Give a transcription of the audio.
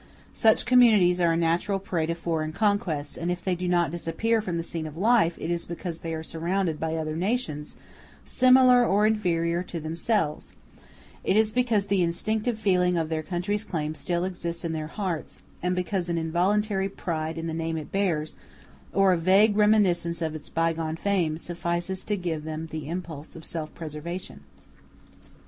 Such communities are a natural prey to foreign conquests, and if they do not disappear from the scene of life, it is because they are surrounded by other nations similar or inferior to themselves: it is because the instinctive feeling of their country's claims still exists in their hearts; and because an involuntary pride in the name it bears, or a vague reminiscence of its bygone fame, suffices to give them the impulse of self preservation.